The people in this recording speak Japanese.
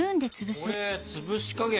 これ潰し加減は。